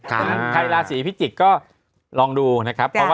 ใครราศีพิจิกก็ลองดูนะครับ